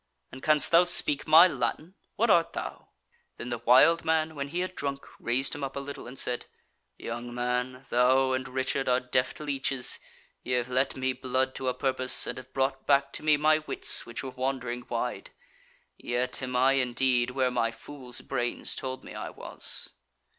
and canst thou speak my Latin? What art thou?" Then the wild man when he had drunk raised him up a little, and said: "Young man, thou and Richard are deft leeches; ye have let me blood to a purpose, and have brought back to me my wits, which were wandering wide. Yet am I indeed where my fool's brains told me I was."